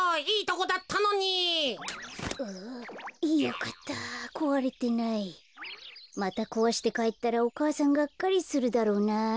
こころのこえまたこわしてかえったらお母さんがっかりするだろうな。